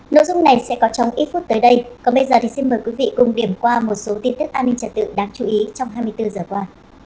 nội dung này sẽ có trong ít phút tới đây còn bây giờ thì xin mời quý vị cùng điểm qua một số tin tức an ninh trật tự đáng chú ý trong hai mươi bốn giờ qua